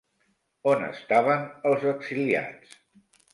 On estaven els exiliats?